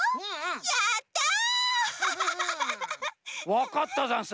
わかったざんす。